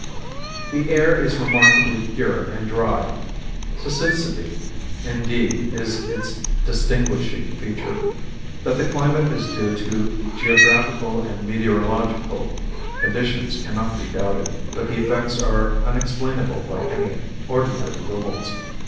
The air is remarkably pure and dry. Siccity, indeed, is its distinguishing feature. That the climate is due to geographical and meteorological conditions cannot be doubted, but the effects are unexplainable by any ordinary rules.